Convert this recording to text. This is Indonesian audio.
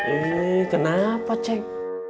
ih kenapa ceng